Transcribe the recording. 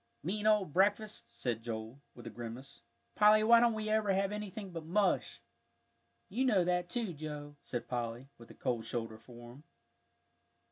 "Mean old breakfast!" said Joel, with a grimace. "Polly, why don't we ever have anything but mush?" "You know that too, Joe," said Polly, with a cold shoulder for him.